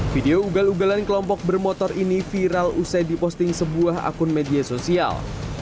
video ugal ugalan kelompok bermotor ini viral usai diposting sebuah akun media sosial